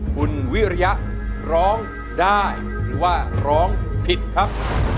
คุณวิริยะร้องได้หรือว่าร้องผิดครับ